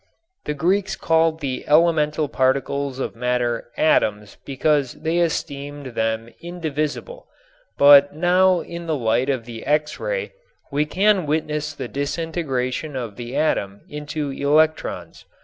The Greeks called the elemental particles of matter "atoms" because they esteemed them "indivisible," but now in the light of the X ray we can witness the disintegration of the atom into electrons.